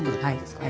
はい。